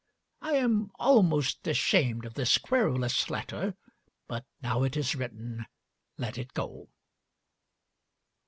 I am almost ashamed of this querulous letter, but now it is written let it go."